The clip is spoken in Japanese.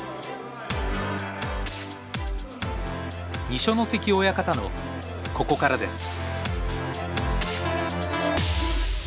二所ノ関親方のここからです。